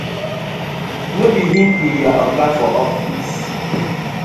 No bi him bi yu oga for office?